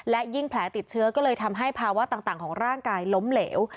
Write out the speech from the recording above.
และยิ่งแผลติดเชื้อก็เลยทำให้ภาวะต่างของร่างกายล้มเหลว